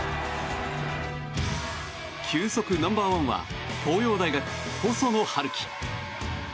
球速ナンバー１は東洋大学・細野晴希。